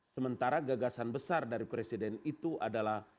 sementara gagasan besar dari presiden itu adalah